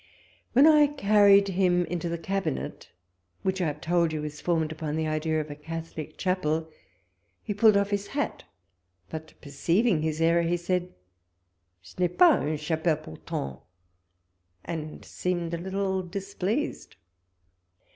When I carried him into the Cabinet, which I have tokl you is formed upon the idea of a Catholic chapel, he pulled off his hat, but perceiving his error, he said, "(%■ n'est iias vm: chdiicllc pouiiant," and seemed a little dis pleased.